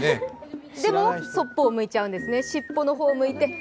でも、そっぽを向いちゃうんですね尻尾の方を向いて。